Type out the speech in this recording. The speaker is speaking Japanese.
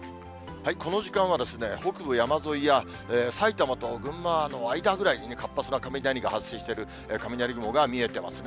この時間は北部山沿いや、埼玉と群馬の間ぐらいに活発な雷が発生している、雷雲が見えてますね。